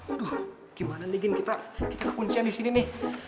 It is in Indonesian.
aduh gimana nih gin kita kekuncian disini nih